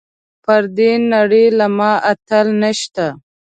پر دې نړۍ له ما اتل نشته .